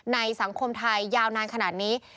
สังคมไทยยาวนานขนาดนี้